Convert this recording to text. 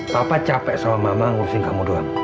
papa capek sama mama ngurusin kamu doang